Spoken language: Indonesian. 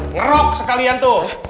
ngerok sekalian tuh